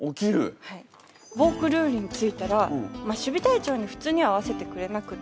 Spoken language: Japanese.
ヴォークルールに着いたら守備隊長に普通には会わせてくれなくって。